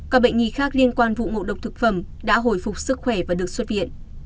các bệnh nhi khác liên quan vụ ngộ độc thực phẩm đã hồi phục sức khỏe và được xuất viện